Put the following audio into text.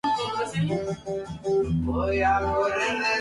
Es inerme, de tronco rugoso, tortuoso.